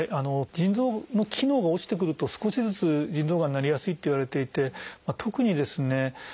腎臓の機能が落ちてくると少しずつ腎臓がんになりやすいといわれていて特にですね